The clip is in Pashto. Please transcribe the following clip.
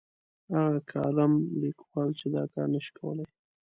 هغه کالم لیکوال چې دا کار نه شي کولای.